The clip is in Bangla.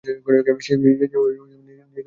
সে নিজেকে সন্ধান করার চেষ্টা করে।